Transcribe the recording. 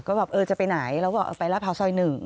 ก็แบบจะไปไหนเราบอกไปราดพร้าวสอยหนึ่ง